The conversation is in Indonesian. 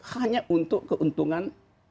hanya untuk keuntungan